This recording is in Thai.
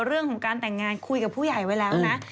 เรื่องของการแต่งงานคุยกับผู้ใหญ่ไว้แล้วนะ